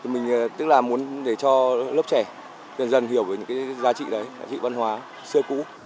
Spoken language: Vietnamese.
mình muốn để cho lớp trẻ dần dần hiểu về giá trị đấy giá trị văn hóa xưa cũ